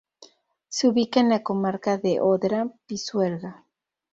Se ubica en la comarca de Odra-Pisuerga.